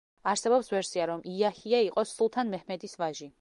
არსებობს ვერსია, რომ იაჰია იყო სულთან მეჰმედის ვაჟი.